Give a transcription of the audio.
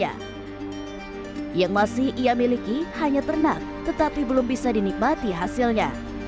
yang masih ia miliki hanya ternak tetapi belum bisa dinikmati hasilnya